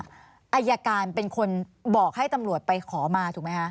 อายการเป็นคนบอกให้ตำรวจไปขอมาถูกไหมคะ